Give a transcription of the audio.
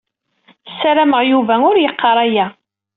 Ssarameɣ Yuba ur yeqqar aya.